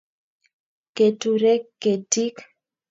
Keturek ketik